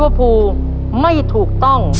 คุณผู้ไม่ถูกต้อง